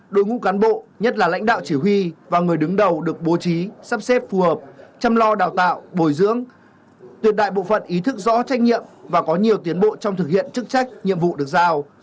đội ngũ cán bộ nhất là lãnh đạo chỉ huy và người đứng đầu được bố trí sắp xếp phù hợp chăm lo đào tạo bồi dưỡng tuyệt đại bộ phận ý thức rõ trách nhiệm và có nhiều tiến bộ trong thực hiện chức trách nhiệm vụ được giao